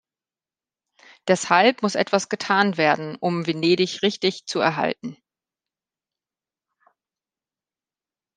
Deshalb muss etwas getan werden, um Venedig richtig zu erhalten.